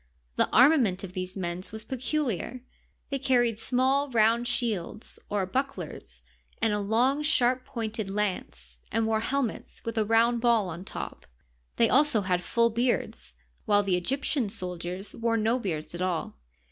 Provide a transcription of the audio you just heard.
The armament of these men was peculiar; they carried small round shields or bucklers and a long, sharp pointed lance, and wore helmets with a round ball on top. They also had full beards, while the Egyptian soldiers wore no beards at all.